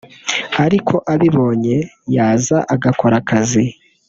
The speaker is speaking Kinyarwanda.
ariko abibonye yaza agakora akazi"